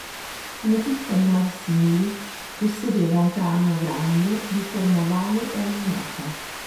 Come tutti gli animali simili, possedeva un cranio grande, di forma ovale e allungata.